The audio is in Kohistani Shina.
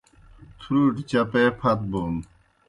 تُھرُوٹیْ چپے پھت بون